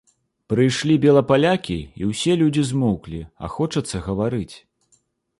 Прыйшлі белапалякі, і ўсе людзі змоўклі, а хочацца гаварыць.